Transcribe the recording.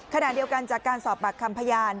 ขณะเดียวกันจากการสอบปากคำพยาน